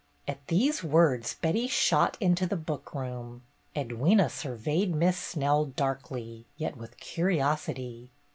At these words Betty shot into the book room. Edwyna surveyed Miss Snell darkly, yet with curiosity.